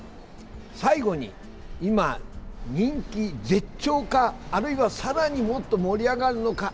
最後に今、人気絶頂か、あるいはさらにもっと盛り上がるのか。